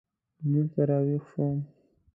لمونځ ته راوېښ شوم.